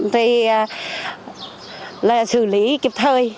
thì là xử lý kịp thời